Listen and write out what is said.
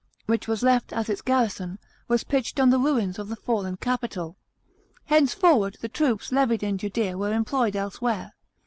ich was left as its garrison, was pitched on the ruins of the fallen capital. Henceforward, the troops levied in Judea were employed elsewhere.